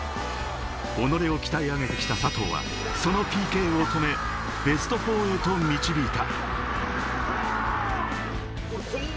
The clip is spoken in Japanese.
おのれを期待上げてきた佐藤はそのＰＫを止め、ベスト４へと導いた。